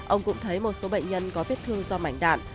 ông cũng thấy một số bệnh nhân có vết thương do mảnh đạn